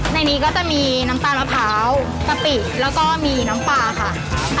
ในนี้ก็จะมีน้ำตาลมะพร้าวกะปิแล้วก็มีน้ำปลาค่ะ